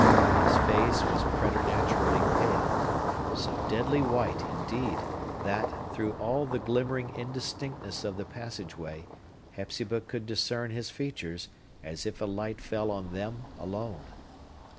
His face was preternaturally pale; so deadly white, indeed, that, through all the glimmering indistinctness of the passageway, Hepzibah could discern his features, as if a light fell on them alone.